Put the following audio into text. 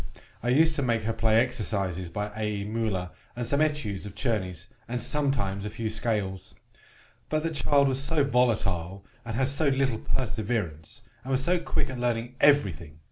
I used to make her play exercises by A.E. Mueller, and some Etudes of Czerny's, and sometimes a few scales. But the child was so volatile, and had so little perseverance, and was so quick at learning every thing!